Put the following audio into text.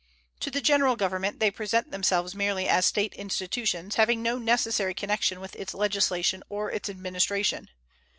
To the General Government they present themselves merely as State institutions, having no necessary connection with its legislation or its administration.